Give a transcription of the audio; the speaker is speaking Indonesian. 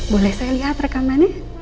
boleh saya lihat rekamannya